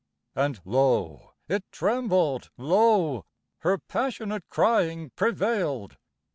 And lo! it trembled, lo! her passionate Crying prevailed.